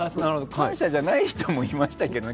感謝じゃないと思いましたけどね。